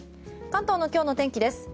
関東の今日の天気です。